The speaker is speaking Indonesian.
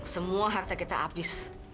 semua harta kita habis